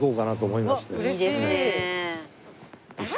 いいですねえ。